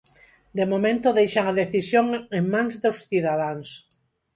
De momento deixan a decisión en mans dos cidadáns.